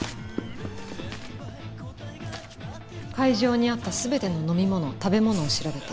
会場にあった全ての飲み物食べ物を調べた。